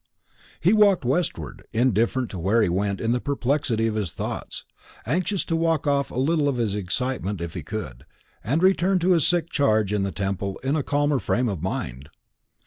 He walked westward, indifferent where he went in the perplexity of his thoughts, anxious to walk off a little of his excitement if he could, and to return to his sick charge in the temple in a calmer frame of mind.